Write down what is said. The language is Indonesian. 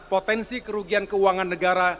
potensi kerugian keuangan negara